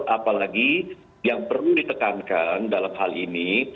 apalagi yang perlu ditekankan dalam hal ini